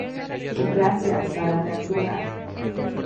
Gracias a la Dra.